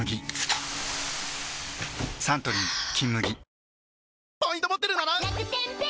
サントリー「金麦」